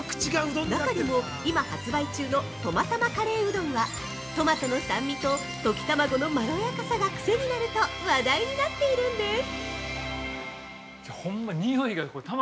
中でも、今発売中のトマたまカレーうどんはトマトの酸味と溶き卵のまろやかさが癖になると話題になっているんです。